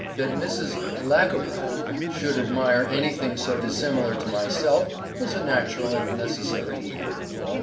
That Mrs. Lackobreath should admire anything so dissimilar to myself was a natural and necessary evil.